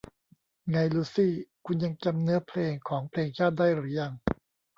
ไง ลูซี่ คุณยังจำเนื้อเพลงของเพลงชาติได้หรือยัง